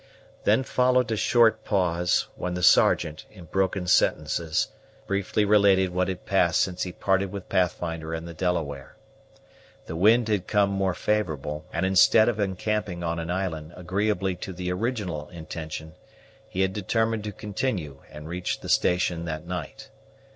Then followed a short pause, when the Sergeant, in broken sentences, briefly related what had passed since he parted with Pathfinder and the Delaware. The wind had come more favorable; and, instead of encamping on an island agreeably to the original intention, he had determined to continue, and reach the station that night.